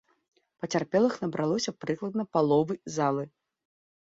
Пацярпелых набралося прыкладна паловы залы.